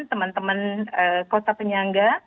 teman teman kota penyangga